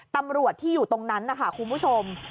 ตำรวจที่อยู่ตรงนั้นนะคะคุณผู้ชม